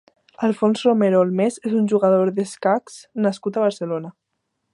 Alfons Romero Holmes és un jugador d'escacs nascut a Barcelona.